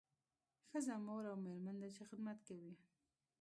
ښځه مور او میرمن ده چې خدمت کوي